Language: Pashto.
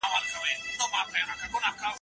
که سړکونه جوړ سي خلګو ته به اسانتیاوې برابرې سي.